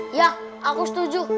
iya aku setuju